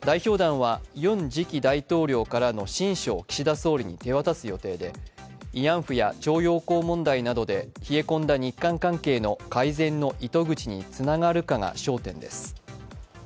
代表団はユン次期大統領からの親書を岸田総理に手渡す予定で慰安婦や徴用工問題などで冷え込んだ日韓関係の改善の糸口につながるかが焦点です。